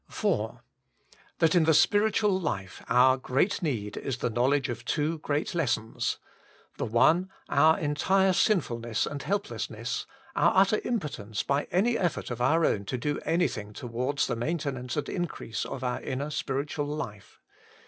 4. That in the spiritual life our great need is the knowledge of two great lessons. The one our entire sinfulness and helplessness — our utter impotence by any effort of our own to do anything towards the maintenance and increase of our inner spiritual life.